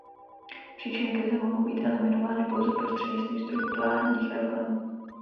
Příčiny krize mohou být eliminovány pouze prostřednictvím strukturálních reforem.